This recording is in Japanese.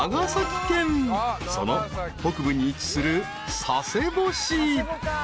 ［その北部に位置する佐世保市］